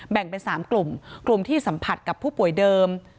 แบ่งเป็น๓กลุ่มกลุ่มที่สัมผัสกับผู้ป่วยเดิม